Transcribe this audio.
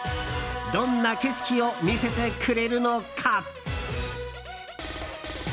どんな景色を見せてくれるのか。